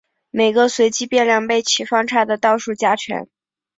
每个随机变量被其方差的倒数加权。